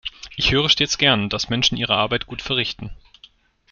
Ich höre stets gern, dass Menschen ihre Arbeit gut verrichten.